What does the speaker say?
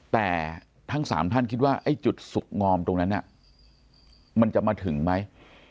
แต่ทั้ง๓ท่านคิดว่าไอ้จุดสุขงอมตรงนั้นมันจะมาถึงไหม